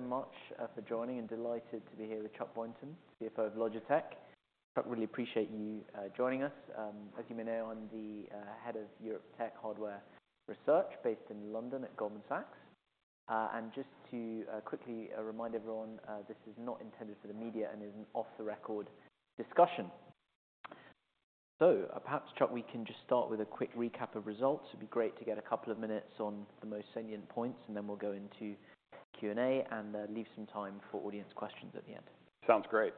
So much for joining, and delighted to be here with Chuck Boynton, the CFO of Logitech. Chuck, really appreciate you joining us. As you may know, I'm the head of Europe Tech Hardware Research based in London at Goldman Sachs. And just to quickly remind everyone, this is not intended for the media and is an off-the-record discussion. So, perhaps, Chuck, we can just start with a quick recap of results. It'd be great to get a couple of minutes on the most salient points, and then we'll go into Q&A, and leave some time for audience questions at the end. Sounds great.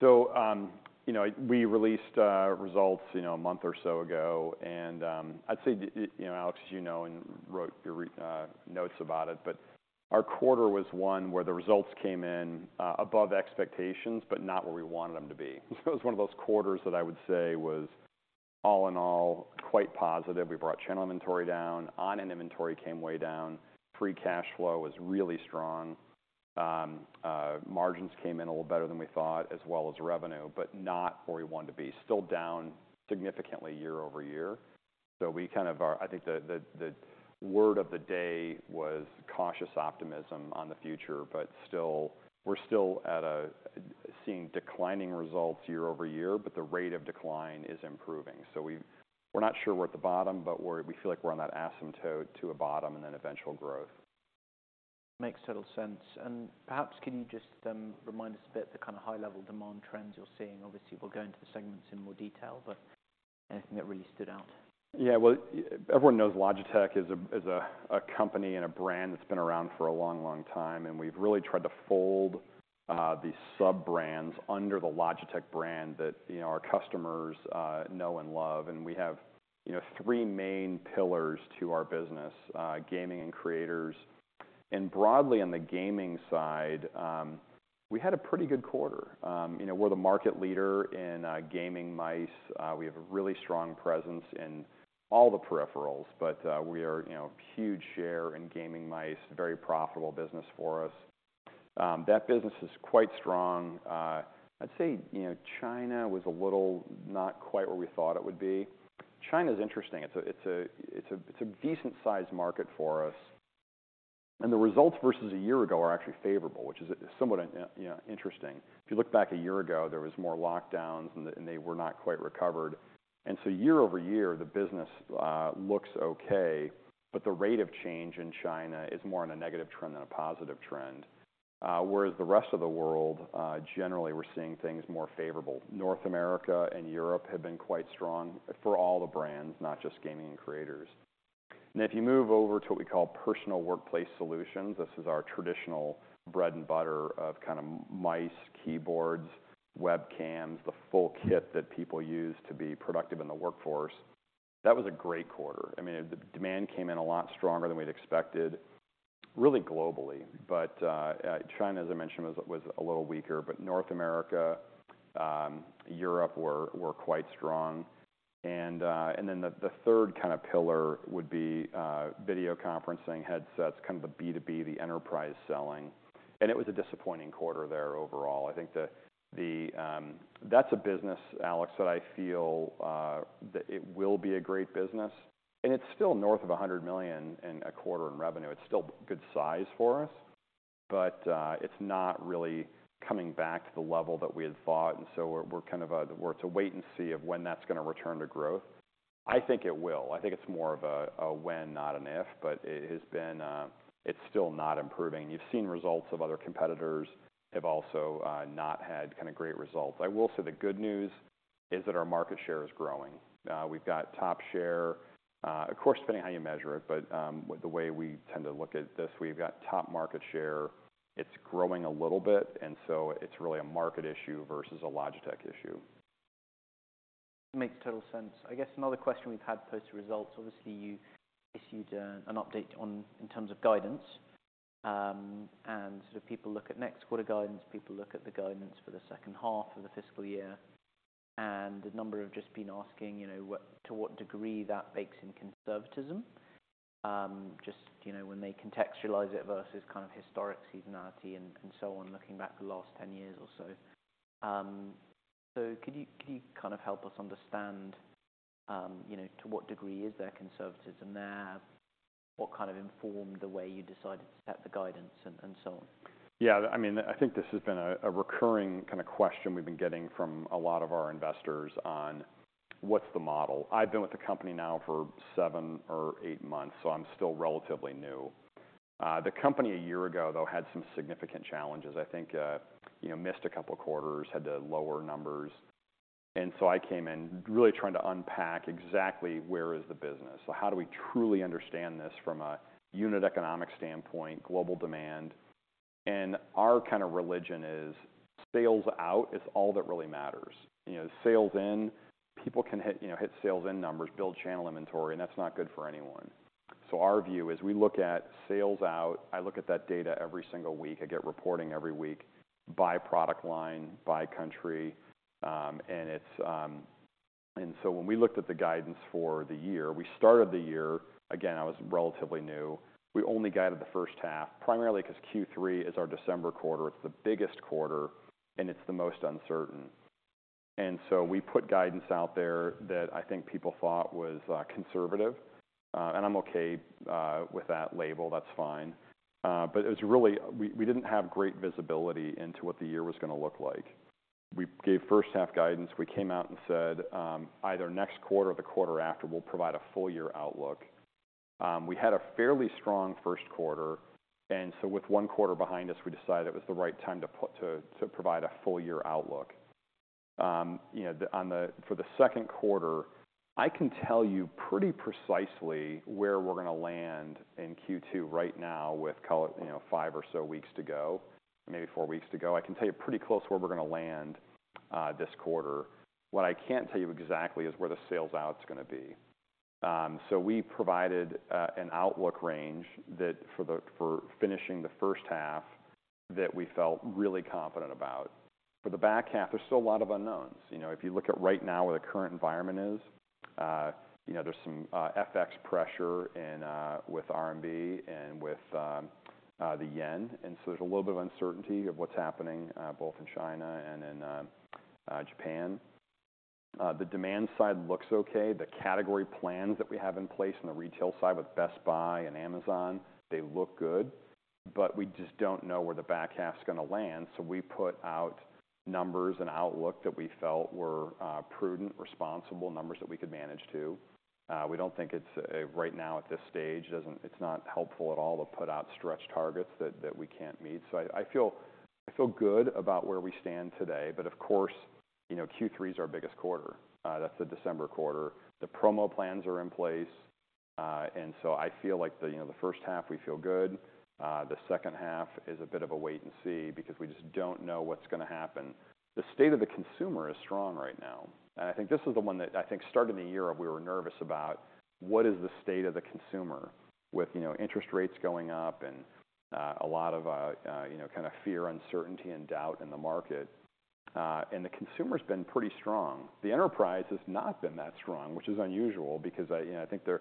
So, you know, we released results, you know, a month or so ago, and, I'd say, you know, Alex, as you know, and you wrote your recent notes about it, but our quarter was one where the results came in above expectations, but not where we wanted them to be. So it was one of those quarters that I would say was, all in all, quite positive. We brought channel inventory down, on-hand inventory came way down, free cash flow was really strong. Margins came in a little better than we thought, as well as revenue, but not where we wanted to be. Still down significantly year-over-year. So we kind of are. I think the word of the day was cautious optimism on the future, but still... We're still seeing declining results year-over-year, but the rate of decline is improving. So we're not sure we're at the bottom, but we feel like we're on that asymptote to a bottom and then eventual growth. Makes total sense. And perhaps, can you just, remind us a bit, the kind of high-level demand trends you're seeing? Obviously, we'll go into the segments in more detail, but anything that really stood out? Yeah, well, everyone knows Logitech is a company and a brand that's been around for a long, long time, and we've really tried to fold these sub-brands under the Logitech brand that, you know, our customers know and love. And we have, you know, three main pillars to our business: gaming and creators. And broadly, on the gaming side, we had a pretty good quarter. You know, we're the market leader in gaming mice. We have a really strong presence in all the peripherals, but we are, you know, huge share in gaming mice, a very profitable business for us. That business is quite strong. I'd say, you know, China was a little, not quite where we thought it would be. China's interesting. It's a decent-sized market for us, and the results versus a year ago are actually favorable, which is somewhat, you know, interesting. If you look back a year ago, there was more lockdowns, and they were not quite recovered. And so year-over-year, the business looks okay, but the rate of change in China is more on a negative trend than a positive trend. Whereas the rest of the world, generally we're seeing things more favorable. North America and Europe have been quite strong for all the brands, not just gaming and creators. And if you move over to what we call personal workplace solutions, this is our traditional bread and butter of kind of mice, keyboards, webcams, the full kit that people use to be productive in the workforce. That was a great quarter. I mean, the demand came in a lot stronger than we'd expected, really globally. But China, as I mentioned, was a little weaker, but North America, Europe were quite strong. And then the third kind of pillar would be video conferencing, headsets, kind of the B2B, the enterprise selling, and it was a disappointing quarter there overall. I think. That's a business, Alex, that I feel that it will be a great business, and it's still north of $100 million in a quarter in revenue. It's still good size for us, but it's not really coming back to the level that we had thought, and so we're kind of, well, it's a wait and see of when that's going to return to growth. I think it will. I think it's more of a, a when, not an if, but it has been. It's still not improving. You've seen results of other competitors have also not had kind of great results. I will say the good news is that our market share is growing. We've got top share, of course, depending on how you measure it, but with the way we tend to look at this, we've got top market share. It's growing a little bit, and so it's really a market issue versus a Logitech issue. Makes total sense. I guess another question we've had post results, obviously, you issued an update on in terms of guidance. And so people look at next quarter guidance, people look at the guidance for the second half of the fiscal year, and a number have just been asking, you know, to what degree that bakes in conservatism. Just, you know, when they contextualize it versus kind of historic seasonality and so on, looking back the last 10 years or so. So could you kind of help us understand, you know, to what degree is there conservatism there? What kind of informed the way you decided to set the guidance and so on? Yeah, I mean, I think this has been a recurring kind of question we've been getting from a lot of our investors on: What's the model? I've been with the company now for seven or eight months, so I'm still relatively new. The company a year ago, though, had some significant challenges. I think, you know, missed a couple quarters, had to lower numbers, and so I came in really trying to unpack exactly where is the business. So how do we truly understand this from a unit economic standpoint, global demand? And our kind of religion is sales out is all that really matters. You know, sales in, people can hit, you know, hit sales in numbers, build channel inventory, and that's not good for anyone. So our view is we look at sales out. I look at that data every single week. I get reporting every week by product line, by country, and it's. And so when we looked at the guidance for the year, we started the year, again, I was relatively new. We only guided the first half, primarily because Q3 is our December quarter. It's the biggest quarter, and it's the most uncertain. And so we put guidance out there that I think people thought was conservative, and I'm okay with that label, that's fine. But it was really. We didn't have great visibility into what the year was gonna look like. We gave first half guidance. We came out and said, either next quarter or the quarter after, we'll provide a full year outlook. We had a fairly strong first quarter, and so with one quarter behind us, we decided it was the right time to provide a full year outlook. You know, for the second quarter, I can tell you pretty precisely where we're gonna land in Q2 right now with, call it, you know, five or so weeks to go, maybe four weeks to go. I can tell you pretty close where we're gonna land this quarter. What I can't tell you exactly is where the sales out is gonna be. So we provided an outlook range for finishing the first half that we felt really confident about. For the back half, there's still a lot of unknowns. You know, if you look at right now where the current environment is, you know, there's some FX pressure and with RMB and with the yen, and so there's a little bit of uncertainty of what's happening both in China and in Japan. The demand side looks okay. The category plans that we have in place on the retail side with Best Buy and Amazon, they look good, but we just don't know where the back half's gonna land, so we put out numbers and outlook that we felt were prudent, responsible numbers that we could manage to. We don't think it's... Right now, at this stage, it doesn't. It's not helpful at all to put out stretched targets that we can't meet. I feel good about where we stand today, but of course, you know, Q3 is our biggest quarter. That's the December quarter. The promo plans are in place, and so I feel like the, you know, the first half, we feel good. The second half is a bit of a wait and see because we just don't know what's gonna happen. The state of the consumer is strong right now, and I think this is the one that I think started the year, we were nervous about what is the state of the consumer with, you know, interest rates going up and, a lot of, you know, kind of fear, uncertainty, and doubt in the market. And the consumer's been pretty strong. The enterprise has not been that strong, which is unusual because I, you know, I think the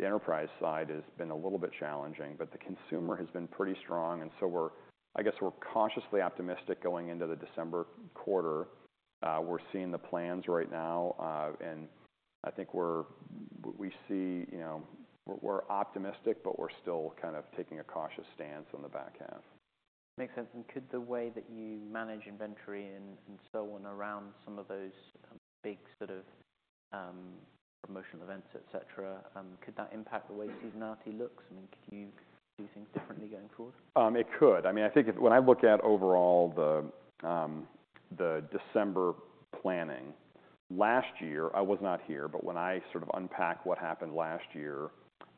enterprise side has been a little bit challenging, but the consumer has been pretty strong, and so we're, I guess, we're cautiously optimistic going into the December quarter. We're seeing the plans right now, and I think we see, you know, we're, we're optimistic, but we're still kind of taking a cautious stance on the back half. Makes sense. And could the way that you manage inventory and, and so on around some of those big sort of, promotional events, et cetera, could that impact the way seasonality looks? I mean, could you do things differently going forward? It could. I mean, I think if... When I look at overall the December planning, last year, I was not here, but when I sort of unpacked what happened last year,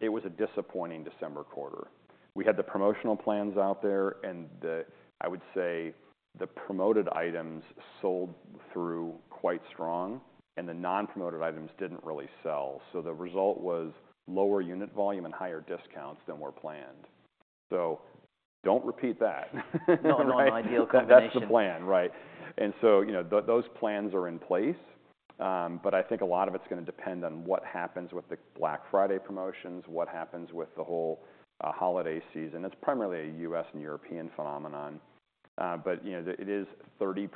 it was a disappointing December quarter. We had the promotional plans out there, and the, I would say, the promoted items sold through quite strong, and the non-promoted items didn't really sell. So the result was lower unit volume and higher discounts than were planned. So don't repeat that. Not an ideal combination. That's the plan, right. And so, you know, those plans are in place, but I think a lot of it's gonna depend on what happens with the Black Friday promotions, what happens with the whole, holiday season. It's primarily a U.S. and European phenomenon, but, you know, the, it is 30%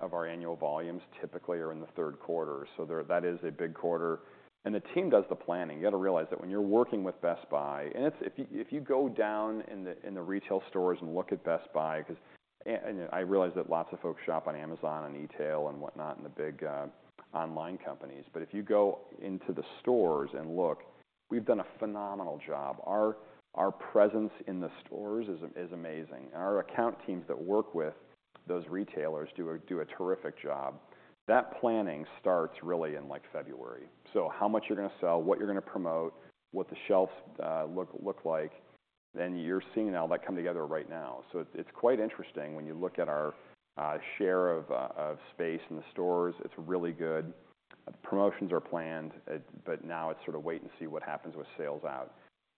of our annual volumes typically are in the third quarter, so there, that is a big quarter, and the team does the planning. You got to realize that when you're working with Best Buy, and it's... If you, if you go down in the, in the retail stores and look at Best Buy, 'cause and, and I realize that lots of folks shop on Amazon and e-tail and whatnot, and the big, online companies, but if you go into the stores and look, we've done a phenomenal job. Our presence in the stores is amazing. Our account teams that work with those retailers do a terrific job. That planning starts really in like February. So how much you're gonna sell, what you're gonna promote, what the shelves look like, then you're seeing all that come together right now. So it's quite interesting when you look at our share of space in the stores. It's really good. Promotions are planned, but now it's sort of wait and see what happens with sales out.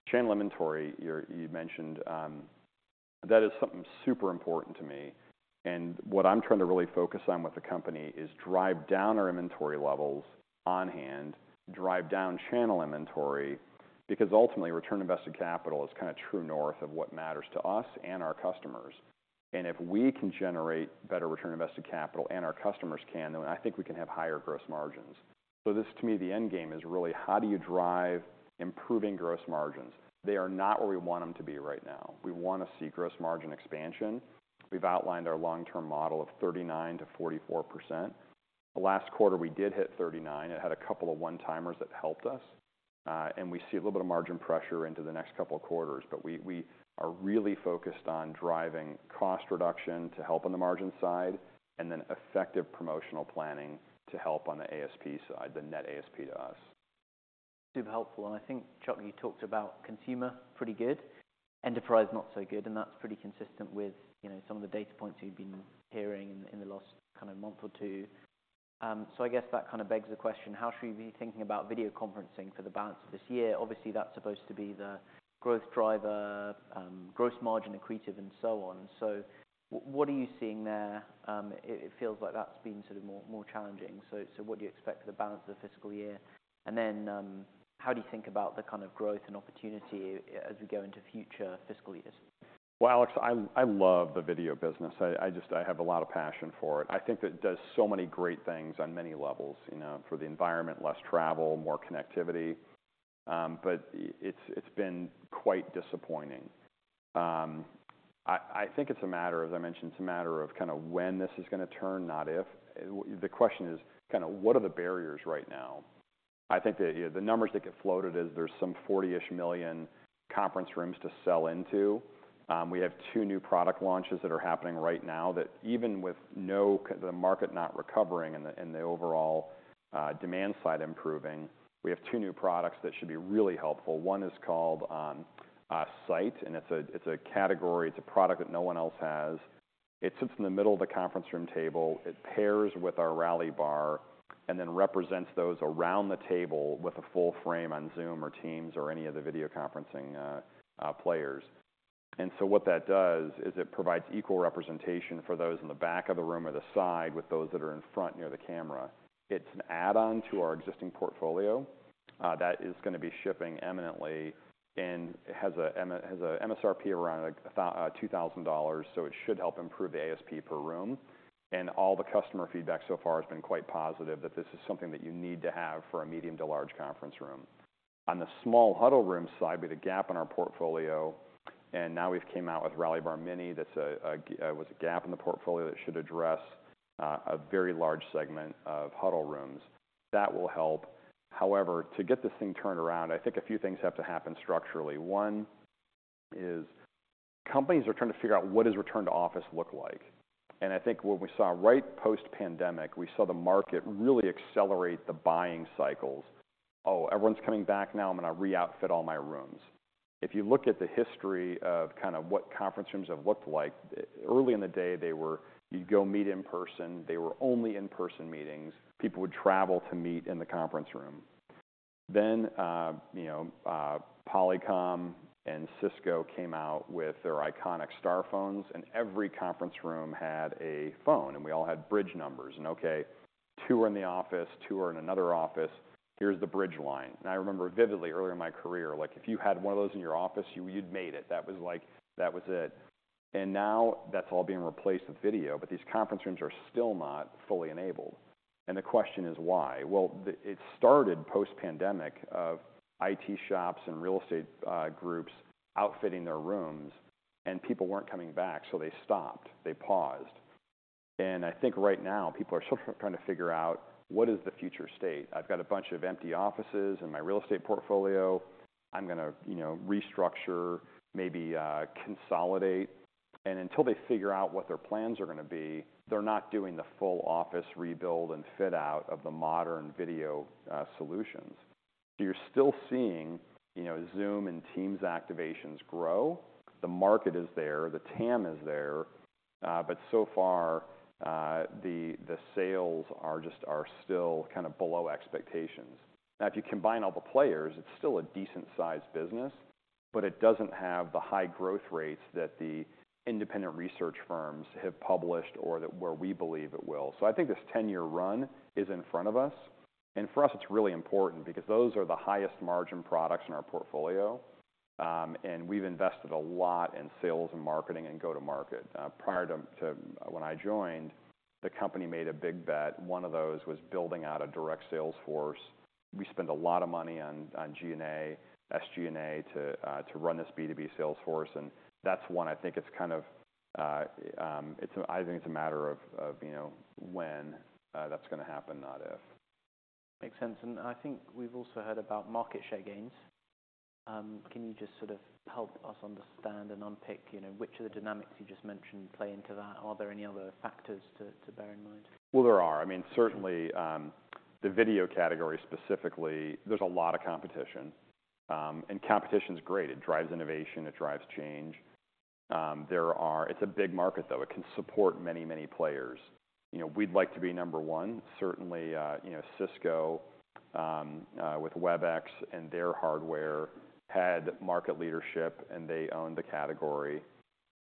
Channel inventory, you mentioned, that is something super important to me, and what I'm trying really focus on with the company is drive down our inventory levels on-hand, drive down channel inventory, because ultimately, return on invested capital is kind of true north of what matters to us and our customers. If we can generate better return on invested capital and our customers can, then I think we can have higher gross margins. So this, to me, the end game is really how do you drive improving gross margins? They are not where we want them to be right now. We want to see gross margin expansion. We've outlined our long-term model of 39%-44%. The last quarter, we did hit 39. It had a couple of one-timers that helped us, and we see a little bit of margin pressure into the next couple of quarters, but we are really focused on driving cost reduction to help on the margin side and then effective promotional planning to help on the ASP side, the net ASP to us. Super helpful, and I think, Chuck, you talked about consumer, pretty good. Enterprise, not so good, and that's pretty consistent with, you know, some of the data points we've been hearing in the last kind of month or two. So I guess that kind of begs the question: How should we be thinking about video conferencing for the balance of this year? Obviously, that's supposed to be the growth driver, gross margin accretive, and so on. So what are you seeing there? It feels like that's been sort of more challenging. So what do you expect for the balance of the fiscal year? And then, how do you think about the kind of growth and opportunity as we go into future fiscal years? Well, Alex, I love the video business. I just have a lot of passion for it. I think that it does so many great things on many levels, you know, for the environment, less travel, more connectivity... But it's been quite disappointing. I think it's a matter, as I mentioned, it's a matter of kind of when this is gonna turn, not if. The question is kind of what are the barriers right now? I think the, you know, the numbers that get floated is there's some 40-ish million conference rooms to sell into. We have two new product launches that are happening right now, that even with the market not recovering and the, and the overall, demand side improving, we have two new products that should be really helpful. One is called Sight, and it's a category, it's a product that no one else has. It sits in the middle of the conference room table. It pairs with our Rally Bar and then represents those around the table with a full frame on Zoom or Teams or any of the video conferencing players. And so what that does is it provides equal representation for those in the back of the room or the side, with those that are in front, near the camera. It's an add-on to our existing portfolio that is gonna be shipping imminently, and it has a MSRP around $2,000, so it should help improve the ASP per room. All the customer feedback so far has been quite positive, that this is something that you need to have for a medium to large conference room. On the small huddle room side, we had a gap in our portfolio, and now we've came out with Rally Bar Mini that's a gap, was a gap in the portfolio that should address a very large segment of huddle rooms. That will help. However, to get this thing turned around, I think a few things have to happen structurally. One is companies are trying to figure out what does return to office look like? And I think what we saw right post-pandemic, we saw the market really accelerate the buying cycles. Oh, everyone's coming back now, I'm gonna re-outfit all my rooms." If you look at the history of kind of what conference rooms have looked like, early in the day, they were. You'd go meet in person, they were only in-person meetings. People would travel to meet in the conference room. Then, you know, Polycom and Cisco came out with their iconic star phones, and every conference room had a phone, and we all had bridge numbers. And okay, two are in the office, two are in another office, here's the bridge line. And I remember vividly early in my career, like, if you had one of those in your office, you'd made it. That was like. That was it. And now that's all being replaced with video, but these conference rooms are still not fully enabled, and the question is, why? Well, it started post-pandemic of IT shops and real estate groups outfitting their rooms, and people weren't coming back, so they stopped, they paused. And I think right now, people are still trying to figure out what is the future state? "I've got a bunch of empty offices in my real estate portfolio. I'm gonna, you know, restructure, maybe, consolidate." And until they figure out what their plans are gonna be, they're not doing the full office rebuild and fit out of the modern video solutions. So you're still seeing, you know, Zoom and Teams activations grow. The market is there, the TAM is there, but so far, the sales are still kind of below expectations. Now, if you combine all the players, it's still a decent-sized business, but it doesn't have the high growth rates that the independent research firms have published or that- where we believe it will. So I think this 10-year run is in front of us, and for us, it's really important because those are the highest margin products in our portfolio. And we've invested a lot in sales and marketing and go-to-market. Prior to when I joined, the company made a big bet, one of those was building out a direct sales force. We spend a lot of money on SG&A to run this B2B sales force, and that's one I think it's kind of. It's, I think it's a matter of you know, when that's gonna happen, not if. Makes sense. And I think we've also heard about market share gains. Can you just sort of help us understand and unpick, you know, which of the dynamics you just mentioned play into that? Are there any other factors to bear in mind? Well, there are. I mean, certainly, the video category specifically, there's a lot of competition. Competition's great. It drives innovation, it drives change. It's a big market, though. It can support many, many players. You know, we'd like to be number one. Certainly, you know, Cisco, with WebEx and their hardware, had market leadership, and they owned the category.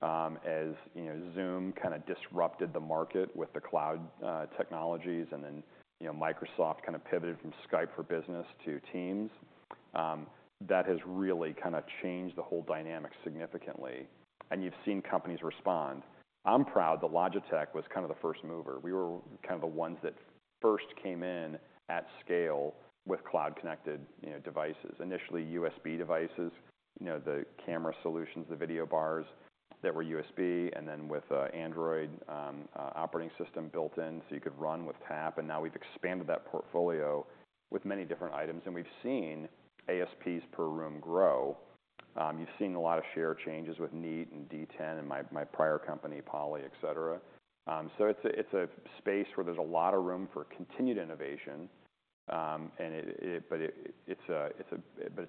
As you know, Zoom kind of disrupted the market with the cloud, technologies, and then, you know, Microsoft kind of pivoted from Skype for Business to Teams. That has really kind of changed the whole dynamic significantly, and you've seen companies respond. I'm proud that Logitech was kind of the first mover. We were kind of the ones that first came in at scale with cloud-connected, you know, devices. Initially, USB devices, you know, the camera solutions, the video bars that were USB, and then with Android operating system built in, so you could run with Tap, and now we've expanded that portfolio with many different items, and we've seen ASPs per room grow. You've seen a lot of share changes with Neat and DTEN and my prior company, Poly, et cetera. So it's a space where there's a lot of room for continued innovation, and but it's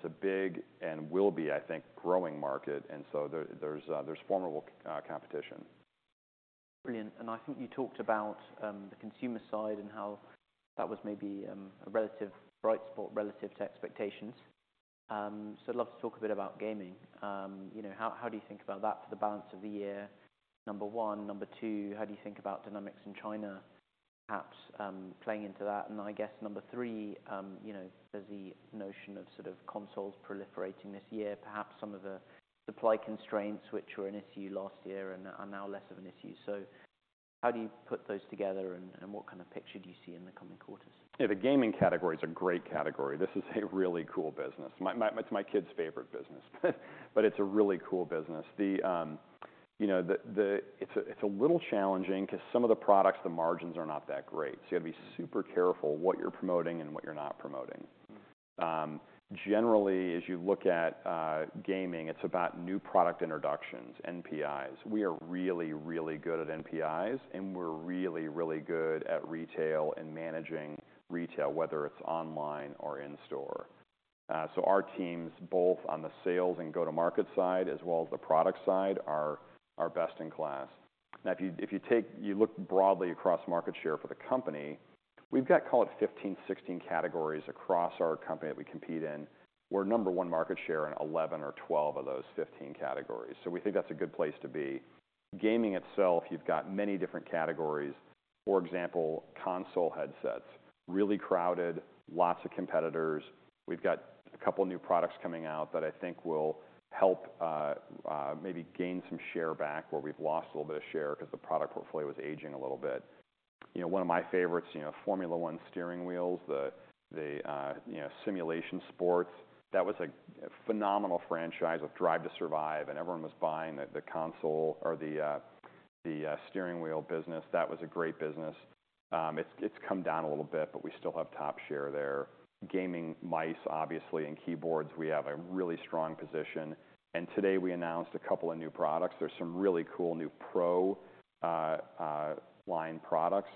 a big and will be, I think, growing market, and so there's formidable competition. Brilliant. And I think you talked about the consumer side and how that was maybe a relative bright spot relative to expectations. So I'd love to talk a bit about gaming. You know, how do you think about that for the balance of the year, number one? Number two, how do you think about dynamics in China, perhaps playing into that? And I guess number three, you know, there's the notion of sort of consoles proliferating this year, perhaps some of the supply constraints, which were an issue last year and are now less of an issue. How do you put those together, and what kind of picture do you see in the coming quarters? Yeah, the gaming category is a great category. This is a really cool business. My, my, it's my kids' favorite business, but it's a really cool business. The, you know, it's a little challenging 'cause some of the products, the margins are not that great, so you gotta be super careful what you're promoting and what you're not promoting. Generally, as you look at gaming, it's about new product introductions, NPIs. We are really, really good at NPIs, and we're really, really good at retail and managing retail, whether it's online or in-store. So our teams, both on the sales and go-to-market side, as well as the product side, are best-in-class. Now, you look broadly across market share for the company, we've got, call it, 15, 16 categories across our company that we compete in. We're number one market share in 11 or 12 of those 15 categories, so we think that's a good place to be. Gaming itself, you've got many different categories. For example, console headsets, really crowded, lots of competitors. We've got a couple new products coming out that I think will help, maybe gain some share back, where we've lost a little bit of share 'cause the product portfolio was aging a little bit. You know, one of my favorites, you know, Formula One steering wheels, you know, simulation sports, that was a phenomenal franchise with Drive to Survive, and everyone was buying the console or the steering wheel business. That was a great business. It's come down a little bit, but we still have top share there. Gaming mice, obviously, and keyboards, we have a really strong position, and today we announced a couple of new products. There's some really cool new pro line products,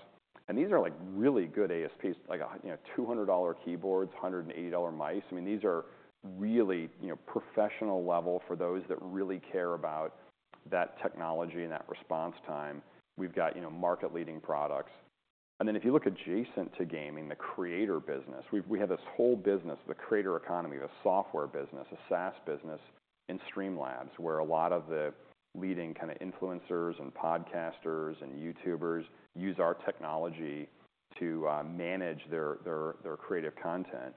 and these are, like, really good ASPs, like a, you know, $200 keyboards, $180 mice. I mean, these are really, you know, professional level for those that really care about that technology and that response time. We've got, you know, market-leading products. And then if you look adjacent to gaming, the creator business, we have this whole business, the creator economy, the software business, the SaaS business, and Streamlabs, where a lot of the leading kind of influencers and podcasters and YouTubers use our technology to manage their creative content.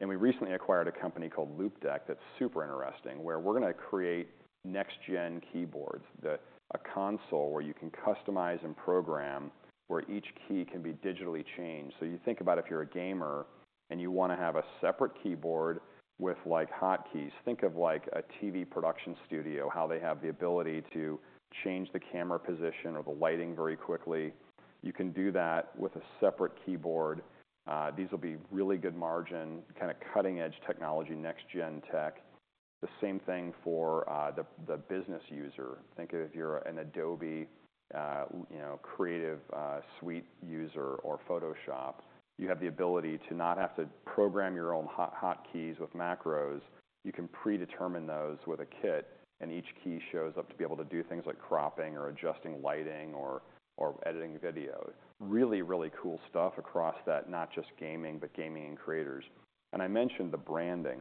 And we recently acquired a company called Loupedeck that's super interesting, where we're gonna create next-gen keyboards, a console where you can customize and program, where each key can be digitally changed. You think about if you're a gamer and you wanna have a separate keyboard with, like, hotkeys. Think of like a TV production studio, how they have the ability to change the camera position or the lighting very quickly. You can do that with a separate keyboard. These will be really good margin, kinda cutting-edge technology, next-gen tech. The same thing for the business user. Think of if you're an Adobe, you know, Creative Suite user or Photoshop, you have the ability to not have to program your own hotkeys with macros. You can predetermine those with a kit, and each key shows up to be able to do things like cropping or adjusting lighting or editing video. Really, really cool stuff across that, not just gaming, but gaming and creators. And I mentioned the branding.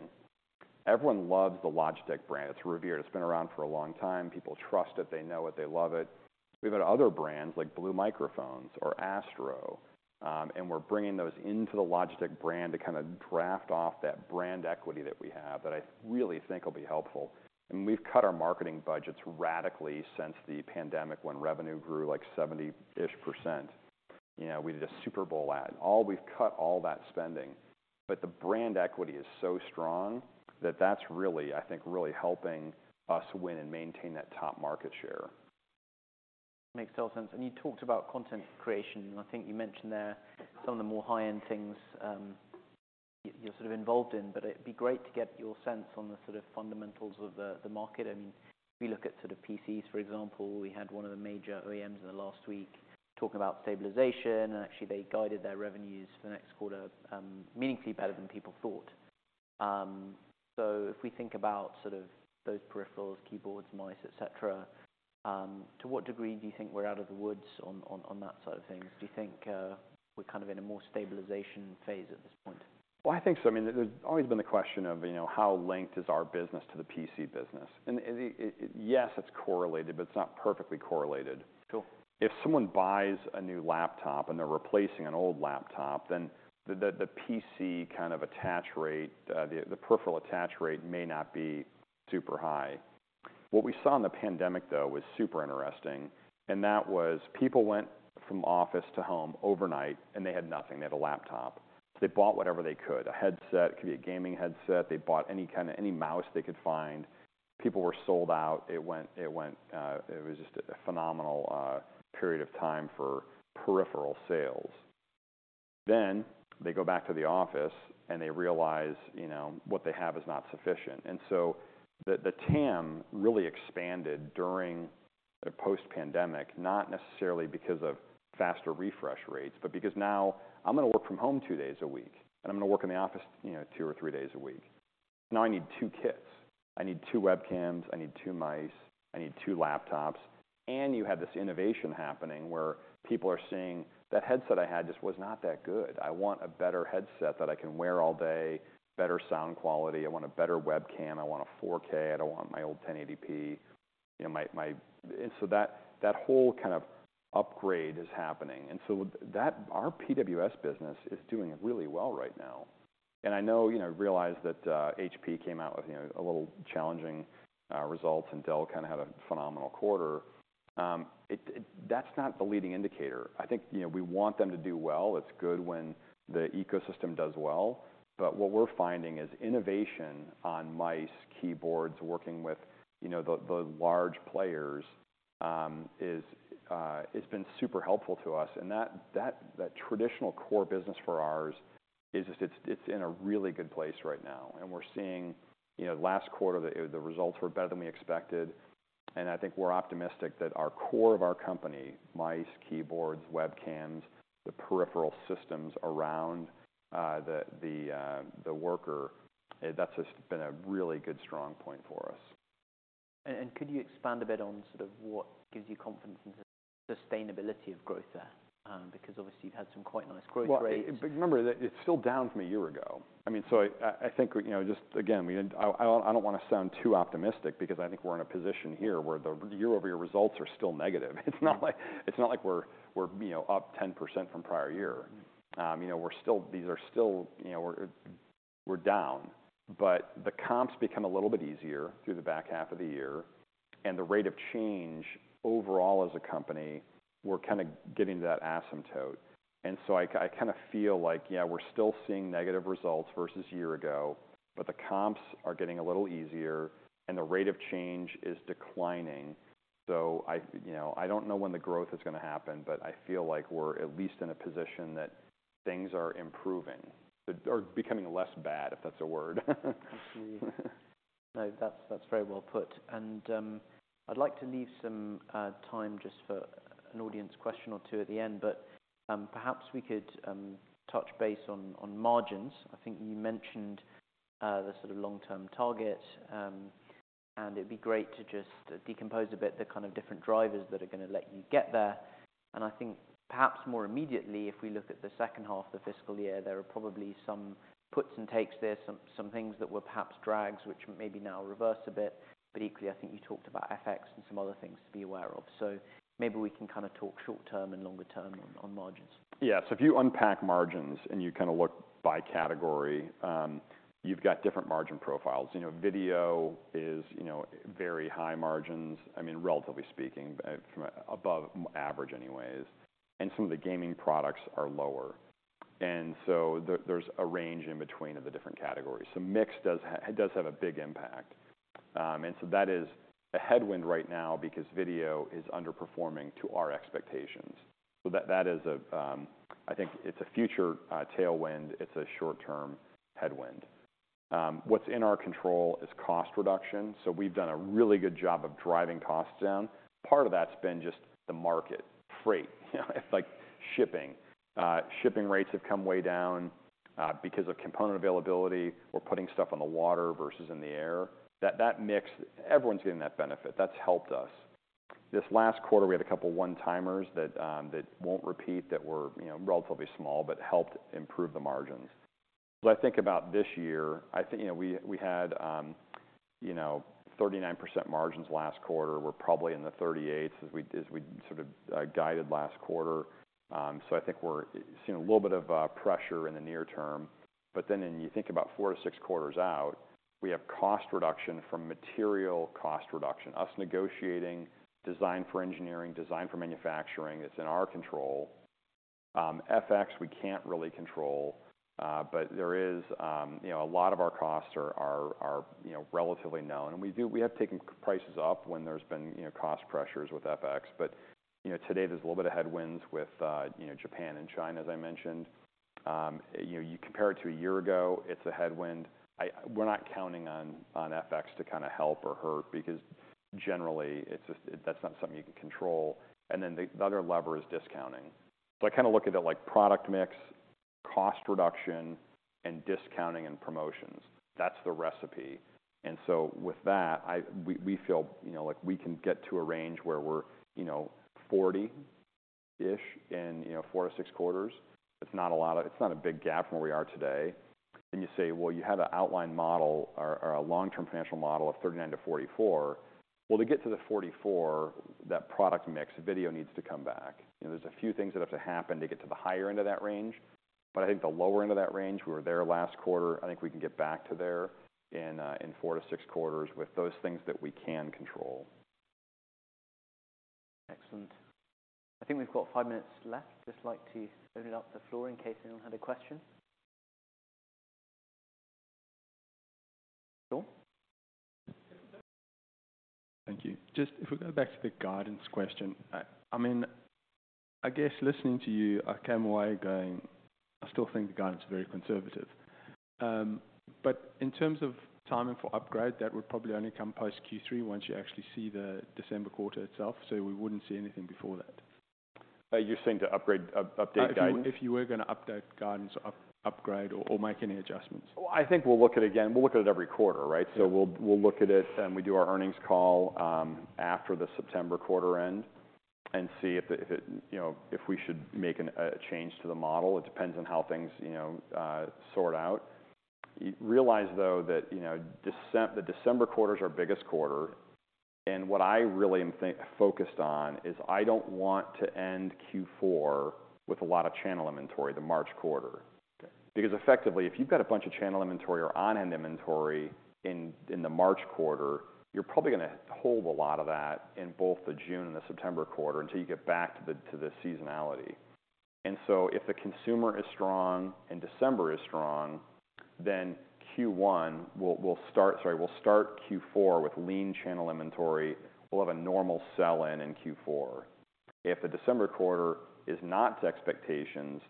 Everyone loves the Logitech brand. It's revered. It's been around for a long time. People trust it. They know it. They love it. We've got other brands, like Blue Microphones or Astro, and we're bringing those into the Logitech brand to kinda draft off that brand equity that we have, that I really think will be helpful. And we've cut our marketing budgets radically since the pandemic when revenue grew, like, 70-ish%. You know, we did a Super Bowl ad. All- we've cut all that spending, but the brand equity is so strong that that's really, I think, really helping us win and maintain that top market share. Makes total sense. You talked about content creation, and I think you mentioned there some of the more high-end things, you're sort of involved in, but it'd be great to get your sense on the sort of fundamentals of the market. I mean, we look at sort of PCs, for example. We had one of the major OEMs in the last week talking about stabilization, and actually, they guided their revenues for the next quarter, meaningfully better than people thought. So if we think about sort of those peripherals, keyboards, mice, et cetera, to what degree do you think we're out of the woods on that side of things? Do you think we're kind of in a more stabilization phase at this point? Well, I think so. I mean, there's always been the question of, you know, how linked is our business to the PC business? Yes, it's correlated, but it's not perfectly correlated. Sure. If someone buys a new laptop and they're replacing an old laptop, then the PC kind of attach rate, the peripheral attach rate may not be super high. What we saw in the pandemic, though, was super interesting, and that was people went from office to home overnight, and they had nothing. They had a laptop. They bought whatever they could: a headset, could be a gaming headset. They bought any kind of any mouse they could find. People were sold out. It was just a phenomenal period of time for peripheral sales. Then, they go back to the office, and they realize, you know, what they have is not sufficient. The TAM really expanded during the post-pandemic, not necessarily because of faster refresh rates, but because now I'm gonna work from home two days a week, and I'm gonna work in the office, you know, two or three days a week. Now I need two kits. I need two webcams, I need two mice, I need two laptops, and you have this innovation happening, where people are seeing, "That headset I had just was not that good. I want a better headset that I can wear all day, better sound quality. I want a better webcam. I want a 4K. I don't want my old 1080p," you know, my... And so that whole kind of upgrade is happening, and so that, our PWS business is doing really well right now. I know, you know, realize that HP came out with, you know, a little challenging results, and Dell kind of had a phenomenal quarter. That's not the leading indicator. I think, you know, we want them to do well. It's good when the ecosystem does well, but what we're finding is innovation on mice, keyboards, working with, you know, the large players, is it's been super helpful to us, and that traditional core business for ours is just it's in a really good place right now, and we're seeing, you know, last quarter, the results were better than we expected, and I think we're optimistic that our core of our company, mice, keyboards, webcams, the peripheral systems around the worker, that's just been a really good, strong point for us. Could you expand a bit on sort of what gives you confidence in the sustainability of growth there? Because obviously you've had some quite nice growth rates. Well, but remember that it's still down from a year ago. I mean, so I think, you know, just again, we didn't... I don't wanna sound too optimistic because I think we're in a position here where the year-over-year results are still negative. It's not like we're, you know, up 10% from prior year. You know, we're still these are still, you know, we're down, but the comps become a little bit easier through the back half of the year, and the rate of change overall as a company, we're kind of getting to that asymptote. And so I kinda feel like, yeah, we're still seeing negative results versus year ago, but the comps are getting a little easier, and the rate of change is declining. So I, you know, I don't know when the growth is gonna happen, but I feel like we're at least in a position that things are improving or becoming less bad, if that's a word. I see. No, that's, that's very well put, and I'd like to leave some time just for an audience question or two at the end, but perhaps we could touch base on margins. I think you mentioned the sort of long-term target, and it'd be great to just decompose a bit the kind of different drivers that are gonna let you get there. I think perhaps more immediately, if we look at the second half of the fiscal year, there are probably some puts and takes there, some things that were perhaps drags, which may be now reverse a bit, but equally, I think you talked about FX and some other things to be aware of. Maybe we can kind of talk short term and longer term on margins. Yeah. So if you unpack margins and you kind of look by category, you've got different margin profiles. You know, video is, you know, very high margins, I mean, relatively speaking, from above average anyways, and some of the gaming products are lower. And so there, there's a range in between of the different categories. So mix does have a big impact, and so that is a headwind right now because video is underperforming to our expectations. So that is a, I think it's a future tailwind. It's a short-term headwind. What's in our control is cost reduction, so we've done a really good job of driving costs down. Part of that's been just the market, freight, you know, it's like shipping. Shipping rates have come way down, because of component availability. We're putting stuff on the water versus in the air. That, that mix, everyone's getting that benefit. That's helped us. This last quarter, we had a couple one-timers that, that won't repeat, that were, you know, relatively small, but helped improve the margins. So I think about this year, I think, you know, we, we had, you know, 39% margins last quarter. We're probably in the 38s as we, as we sort of, guided last quarter. So I think we're seeing a little bit of pressure in the near term, but then when you think about four to six quarters out, we have cost reduction from material cost reduction. Us negotiating design for engineering, design for manufacturing, it's in our control. FX, we can't really control, but there is, you know, a lot of our costs are, you know, relatively known, and we do we have taken prices up when there's been, you know, cost pressures with FX. But, you know, today there's a little bit of headwinds with, you know, Japan and China, as I mentioned. You know, you compare it to a year ago, it's a headwind. We're not counting on FX to kind of help or hurt because generally, it's just that's not something you can control, and then the other lever is discounting. So I kind of look at it like product mix, cost reduction, and discounting and promotions. That's the recipe, and so with that, we feel, you know, like we can get to a range where we're, you know, 40-ish in, you know, four to six quarters. It's not a big gap from where we are today. Then you say, well, you have an outline model or a long-term financial model of 39-44. Well, to get to the 44, that product mix, video needs to come back. You know, there's a few things that have to happen to get to the higher end of that range, but I think the lower end of that range, we were there last quarter. I think we can get back to there in four to six quarters with those things that we can control. Excellent. I think we've got five minutes left. Just like to open it up to the floor in case anyone had a question. Sure. Thank you. Just if we go back to the guidance question, I mean, I guess listening to you, I came away going, I still think the guidance is very conservative. But in terms of timing for upgrade, that would probably only come post Q3 once you actually see the December quarter itself, so we wouldn't see anything before that? You're saying to upgrade, update guide? If you were gonna update guidance, upgrade or make any adjustments? Well, I think we'll look at it again. We'll look at it every quarter, right? So we'll look at it when we do our earnings call after the September quarter end and see if it, you know, if we should make a change to the model. It depends on how things, you know, sort out. You realize, though, that, you know, the December quarter is our biggest quarter and what I really am thinking, focused on is I don't want to end Q4 with a lot of channel inventory, the March quarter. Okay. Because effectively, if you've got a bunch of channel inventory or on-hand inventory in the March quarter, you're probably gonna hold a lot of that in both the June and the September quarter until you get back to the seasonality. And so if the consumer is strong and December is strong, then Q1 will start. Sorry, we'll start Q4 with lean channel inventory. We'll have a normal sell-in in Q4. If the December quarter is not to expectations,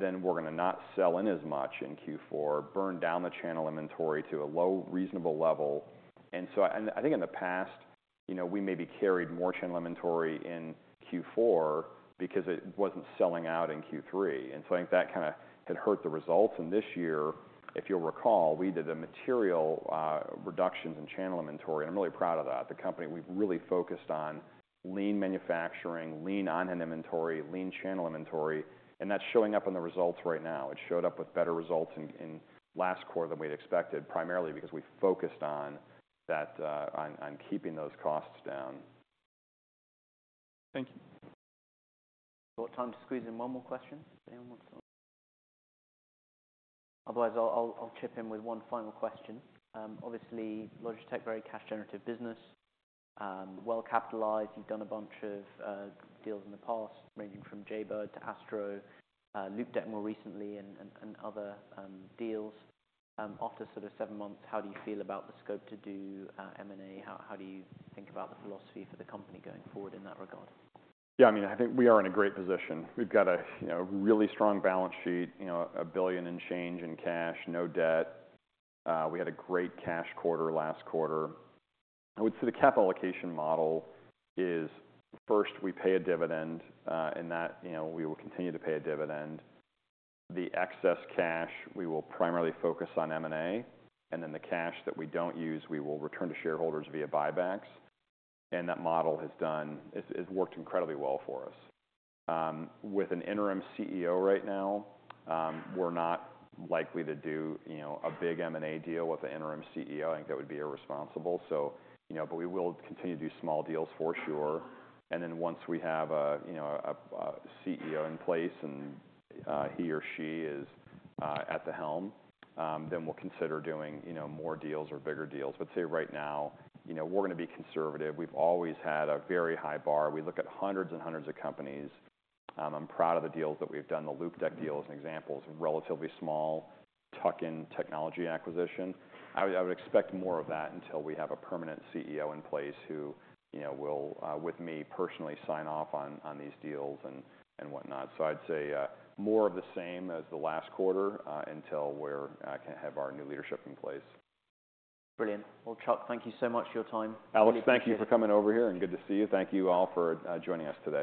then we're gonna not sell in as much in Q4, burn down the channel inventory to a low, reasonable level. And so I think in the past, you know, we maybe carried more channel inventory in Q4 because it wasn't selling out in Q3, and so I think that kind of had hurt the results. This year, if you'll recall, we did a material reduction in channel inventory, and I'm really proud of that. The company. We've really focused on lean manufacturing, lean on-hand inventory, lean channel inventory, and that's showing up in the results right now. It showed up with better results in last quarter than we'd expected, primarily because we focused on that, on keeping those costs down. Thank you. We've got time to squeeze in one more question. If anyone wants... Otherwise, I'll chip in with one final question. Obviously, Logitech, very cash-generative business, well-capitalized. You've done a bunch of deals in the past, ranging from Jaybird to Astro, Loupedeck more recently, and other deals. After sort of seven months, how do you feel about the scope to do M&A? How do you think about the philosophy for the company going forward in that regard? Yeah, I mean, I think we are in a great position. We've got a, you know, really strong balance sheet, you know, $1 billion and change in cash, no debt. We had a great cash quarter last quarter. I would say the capital allocation model is, first we pay a dividend, and that, you know, we will continue to pay a dividend. The excess cash, we will primarily focus on M&A, and then the cash that we don't use, we will return to shareholders via buybacks, and that model, it's worked incredibly well for us. With an interim CEO right now, we're not likely to do, you know, a big M&A deal with an interim CEO. I think that would be irresponsible, so, you know, but we will continue to do small deals for sure. Once we have a you know a CEO in place and he or she is at the helm then we'll consider doing you know more deals or bigger deals. But I'd say right now you know we're going to be conservative. We've always had a very high bar. We look at hundreds and hundreds of companies. I'm proud of the deals that we've done. The Loupedeck deal, as an example, is a relatively small tuck-in technology acquisition. I would expect more of that until we have a permanent CEO in place who you know will with me personally sign off on these deals and whatnot. So I'd say more of the same as the last quarter until we can have our new leadership in place. Brilliant. Well, Chuck, thank you so much for your time. Alex, thank you for coming over here, and good to see you. Thank you all for joining us today.